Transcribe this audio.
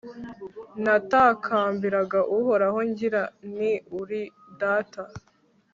natakambiraga uhoraho, ngira nti uri data